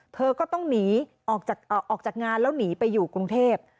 เธอก็ต้องหนีออกจากงานแล้วหนีไปอยู่กรุงเทพ